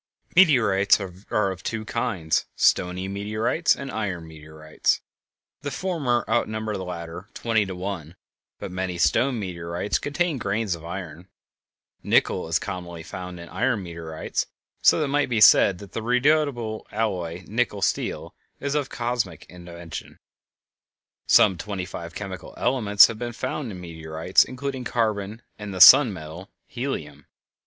Meteorites are of two kinds: stony meteorites and iron meteorites. The former outnumber the latter twenty to one; but many stone meteorites contain grains of iron. Nickel is commonly found in iron meteorites, so that it might be said that that redoubtable alloy nickel steel is of cosmical invention. Some twenty five chemical elements have been found in meteorites, including carbon and the "sun metal," helium.